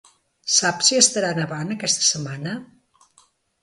Saps si estarà nevant aquesta setmana?